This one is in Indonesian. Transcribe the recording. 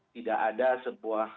tidak ada sebuah